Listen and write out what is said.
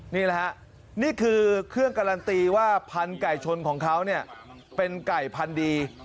นี่แหละฮะนี่คือเครื่องการันตีว่าพันธุ์ไก่ชนของเขาเนี่ยเป็นไก่พันธุ์ดี